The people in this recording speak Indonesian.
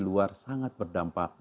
politik luar negeri yang sangat berdampak